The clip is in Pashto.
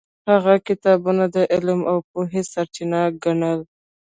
هغه کتابونه د علم او پوهې سرچینه ګڼل.